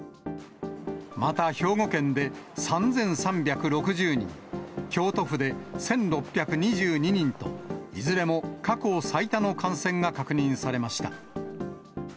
また兵庫県で３３６０人、京都府で１６２２人と、いずれも過去最多の感染が確認されました。